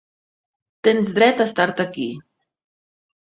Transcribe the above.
Tens dret a estar-te aquí.